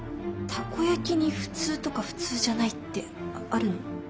たこやきに普通とか普通じゃないってあるの？